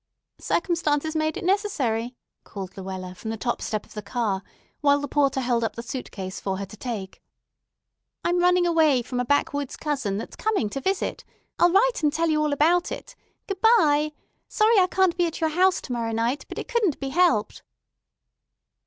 "Circumstances made it necessary," called Luella from the top step of the car while the porter held up the suitcase for her to take. "I'm running away from a backwoods cousin that's coming to visit. I'll write and tell you all about it. Good by. Sorry I can't be at your house to morrow night, but it couldn't be helped."